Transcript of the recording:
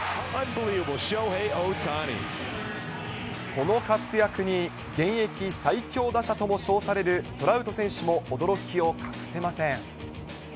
この活躍に、現役最強打者とも称されるトラウト選手も驚きを隠せません。